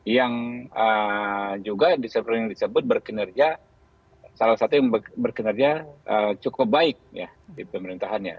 yang juga disebut berkinerja salah satu yang berkinerja cukup baik ya di pemerintahannya